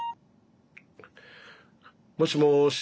もしもし。